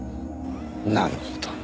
なるほどね。